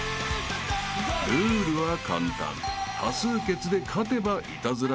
［ルールは簡単］